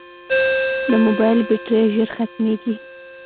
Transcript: د موبایل بیټرۍ ژر ختمیږي.